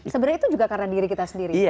sebenarnya itu juga karena diri kita sendiri